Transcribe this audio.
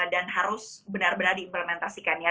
harus benar benar diimplementasikan ya